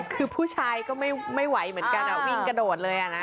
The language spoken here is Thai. คือผู้ชายก็ไม่ไหวเหมือนกันวิ่งกระโดดเลยนะ